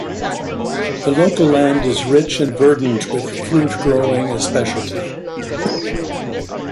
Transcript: The local land is rich and verdant with fruit growing a speciality.